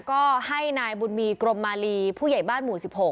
ก็ให้นายบุญมีกรมมาลีผู้ใหญ่บ้านหมู่๑๖